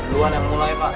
dulu yang mulai pak